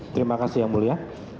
terima kasih yang mulia